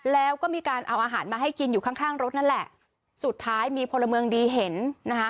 แล้วก็มีการเอาอาหารมาให้กินอยู่ข้างข้างรถนั่นแหละสุดท้ายมีพลเมืองดีเห็นนะคะ